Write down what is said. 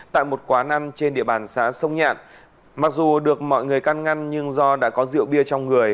tại một quán ăn trên địa bàn xã sông nhạn mặc dù được mọi người căn ngăn nhưng do đã có rượu bia trong người